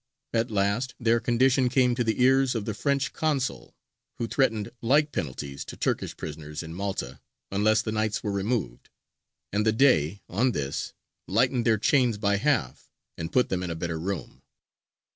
At last their condition came to the ears of the French consul, who threatened like penalties to Turkish prisoners in Malta unless the knights were removed; and the Dey, on this, lightened their chains by half, and put them in a better room.